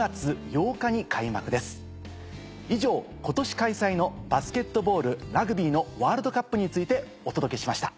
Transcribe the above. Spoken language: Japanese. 以上今年開催のバスケットボールラグビーのワールドカップについてお届けしました。